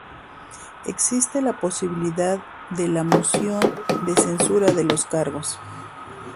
Existe la posibilidad de la moción de censura de los cargos.